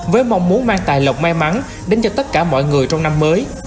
với mong muốn mang tài lộc may mắn đến cho tất cả mọi người trong năm mới